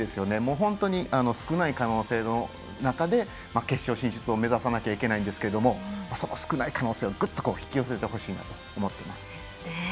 本当に少ない可能性の中で決勝進出を目指さなければいけないんですけどその少ない可能性をぐっと引き寄せてほしいなと思っています。